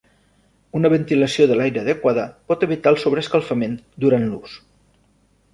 Una ventilació de l'aire adequada pot evitar el sobreescalfament durant l'ús.